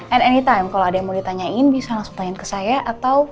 and anytime kalo ada yang mau ditanyain bisa langsung tanya ke saya atau